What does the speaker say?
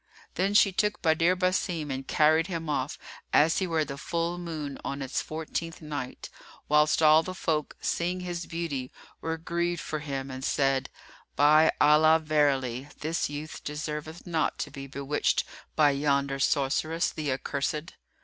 [FN#339] Then she took Badr Basim and carried him off, as he were the full moon on its fourteenth night, whilst all the folk, seeing his beauty, were grieved for him and said, "By Allah, verily, this youth deserveth not to be bewitched by yonder sorceress, the accursed!"